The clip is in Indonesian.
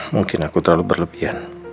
mungkin aku terlalu berlebihan